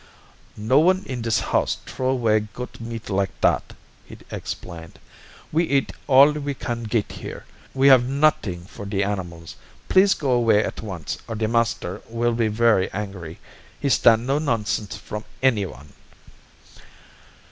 "'No one in dis house trow away gut meat like dat,' he explained, 'we eat all we can git here, we have nutting for de animals. Please go away at once, or de master will be very angry. He stand no nonsense from anyone.'